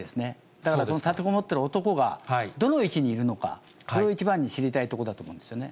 だから立てこもってる男がどの位置にいるのか、それを一番に知りたいところだと思うんですね。